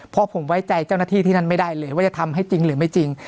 เพราะผมไว้ใจเจ้าหน้าที่ที่นั่นไม่ได้เลยว่าจะทำให้จริงหรือไม่จริง